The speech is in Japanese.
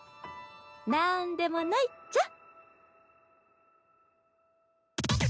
なんでもないっちゃ。